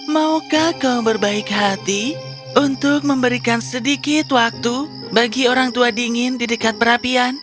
maukah kau berbaik hati untuk memberikan sedikit waktu bagi orang tua dingin di dekat perapian